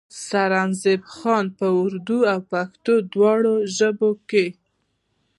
سرنزېب خان پۀ اردو او پښتو دواړو ژبو کښې